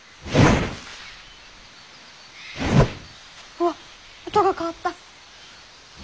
おわっ音が変わった！